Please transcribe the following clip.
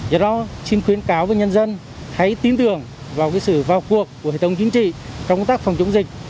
do đó xin khuyến cáo với nhân dân hãy tin tưởng vào sự vào cuộc của hệ thống chính trị trong công tác phòng chống dịch